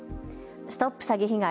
ＳＴＯＰ詐欺被害！